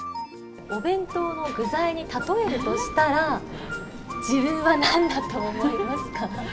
お弁当の具材に例えるとしたら、自分はなんだと思いますか？